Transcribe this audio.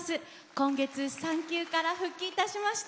今月、産休から復帰しました。